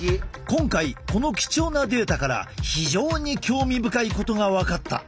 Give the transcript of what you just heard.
今回この貴重なデータから非常に興味深いことが分かった。